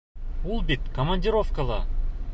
Ул бит командировкала.